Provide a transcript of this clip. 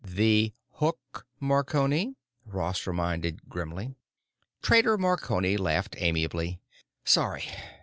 "The hook, Marconi," Ross reminded grimly. Trader Marconi laughed amiably. "Sorry.